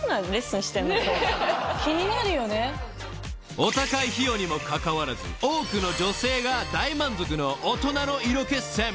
［お高い費用にもかかわらず多くの女性が大満足の大人の色気セミナー］